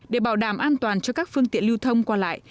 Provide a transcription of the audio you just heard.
để bảo đảm an toàn cho các phương tiện lưu thông qua lại